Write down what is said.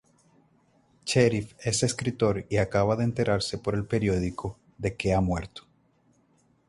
Cherif es escritor y acaba de enterarse por el periódico de que ha muerto.